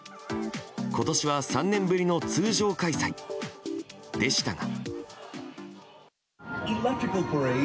今年は３年ぶりの通常開催でしたが。